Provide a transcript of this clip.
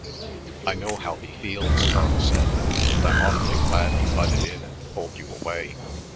"I know how he feels," Carl said, "and I'm awfully glad he butted in and pulled you away.